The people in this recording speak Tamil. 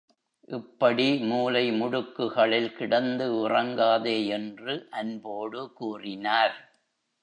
இப்படி மூலை முடுக்குகளில் கிடந்து உறங்காதே என்று அன்போடு கூறினார்.